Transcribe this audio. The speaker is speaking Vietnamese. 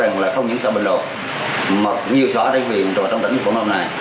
tôi mong là không những xã bình đào mặc nhiêu xã trang huyện trong tỉnh bà công nhân này